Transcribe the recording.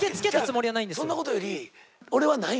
そんなことより俺は何位？